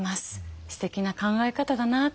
すてきな考え方だなって。